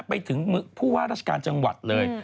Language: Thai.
ไปถึงผู้ว่าราชการจังหวัดเลย